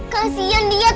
kasian dia tante